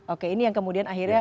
oke ini yang kemudian akhirnya